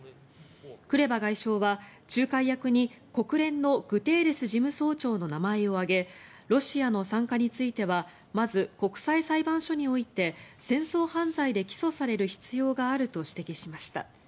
クレバ外相は、仲介役に国連のグテーレス事務総長の名前を挙げロシアの参加についてはまず国際裁判所において戦争犯罪で起訴される必要があると指摘しました。